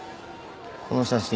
この写真。